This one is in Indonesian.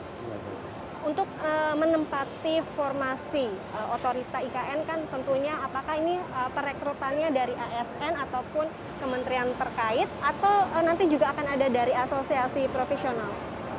untuk menempati formasi otorita ikn kan tentunya apakah ini perekrutannya dari asn ataupun kementerian terkait atau nanti juga akan ada dari asosiasi profesional